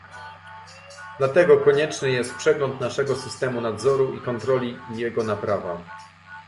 Dlatego konieczny jest przegląd naszego systemu nadzoru i kontroli i jego naprawa